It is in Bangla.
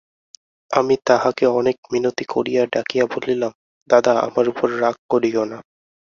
আমি তাহাকে অনেক মিনতি করিয়া ডাকিয়া বলিলাম–দাদা, আমার উপর রাগ করিয়ো না।